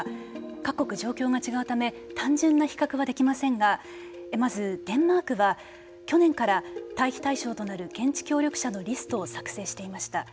各国状況が違うため単純な比較はできませんがまずデンマークは去年から退避対象となる現地協力者のリストを作成していました。